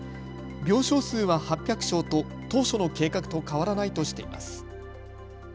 病床数は８００床と当初の計画と変わらないとしています。